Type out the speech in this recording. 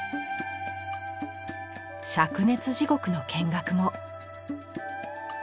しゃく熱地獄の見学も。